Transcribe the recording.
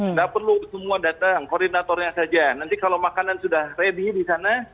nggak perlu semua datang koordinatornya saja nanti kalau makanan sudah ready di sana